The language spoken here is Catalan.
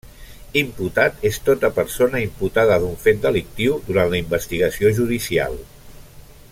Imputat és tota persona imputada d'un fet delictiu durant la investigació judicial.